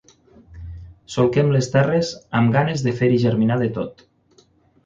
Solquem les terres amb ganes de fer-hi germinar de tot.